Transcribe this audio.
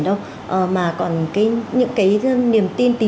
đâu mà còn cái những cái niềm tin tí